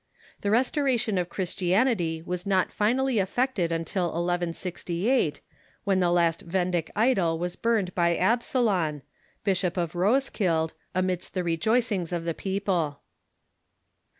The restoration to Christianity was not finally effected until 1168, when the last Wendic idol was burned by Absalon, Bishop of Roeskilde, amidst the rejoicings of the people.